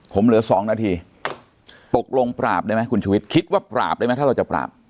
ผมเหลือ๒นาทีตกลงปราบได้ไหมคุณชุวิตคิดว่าปราบได้ไหมถ้าเราจะปราบ